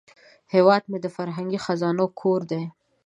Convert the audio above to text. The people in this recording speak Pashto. هیواد مې د فرهنګي خزانو کور دی